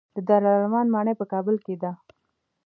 د دارالامان ماڼۍ په کابل کې ده